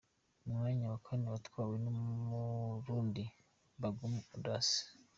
Umwanya wa kane watwawe n’umurundi Baguma Audace.